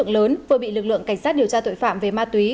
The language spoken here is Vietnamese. một đối tượng lớn vừa bị lực lượng cảnh sát điều tra tội phạm về ma túy